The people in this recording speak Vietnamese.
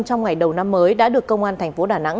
trong ngày đầu năm mới đã được công an tp đà nẵng